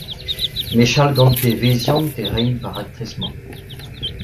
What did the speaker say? Mechal gant pe veziant e raimp ar raktres-mañ ?